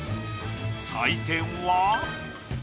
採点は。